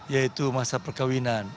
yaitu masa perkahwinan